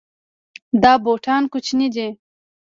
دا بوټان کوچني دي